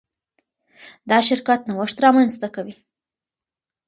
دا شرکت نوښت رامنځته کوي.